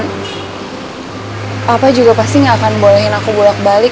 papa juga pasti nggak akan bolehin aku bolak balik